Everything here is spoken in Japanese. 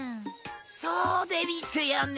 そうでうぃすよね。